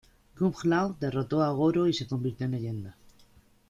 Kung Lao derrotó a Goro y se convirtió en leyenda.